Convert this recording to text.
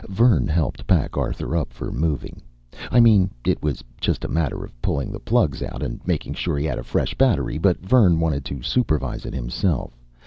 Vern helped pack Arthur up for moving. I mean it was just a matter of pulling the plugs out and making sure he had a fresh battery, but Vern wanted to supervise it himself.